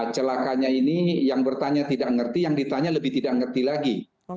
celakanya ini yang bertanya tidak mengerti yang ditanya lebih tidak ngerti lagi